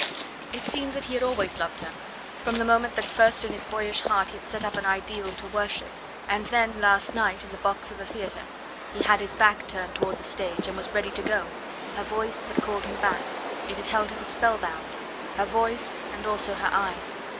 It seemed that he had always loved her, from the moment that first in his boyish heart he had set up an ideal to worship, and then, last night, in the box of the theatre he had his back turned toward the stage, and was ready to go her voice had called him back; it had held him spellbound; her voice, and also her eyes....